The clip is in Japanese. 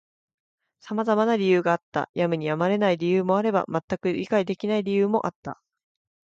様々な理由があった。やむにやまれない理由もあれば、全く理解できない理由もあった。